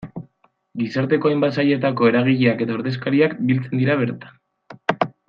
Gizarteko hainbat sailetako eragileak eta ordezkariak biltzen dira bertan.